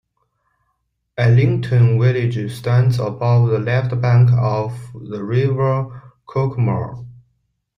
Arlington village stands above the left bank of the River Cuckmere.